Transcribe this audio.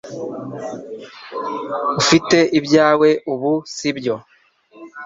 Ufite ibyawe ubu sibyo